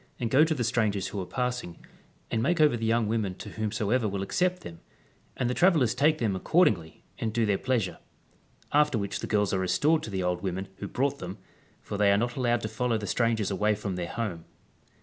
and go to the strangers who are passing, and make over the young women to whomsoever will acccj)t them ; and the travellers take them accordingly and do their pleasure ; after which the girls are restored to the old women who brought them, for they are not allowed to follow the strangers away from their home.